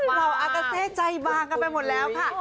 เหล่าอากาเซใจบางกันไปหมดแล้วค่ะ